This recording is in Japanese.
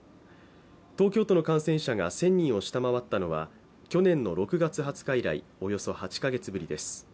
東京都の感染者が１０００人を下回ったのは去年の６月２０日以来およそ８か月ぶりです。